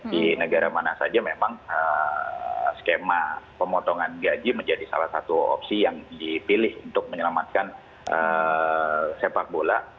di negara mana saja memang skema pemotongan gaji menjadi salah satu opsi yang dipilih untuk menyelamatkan sepak bola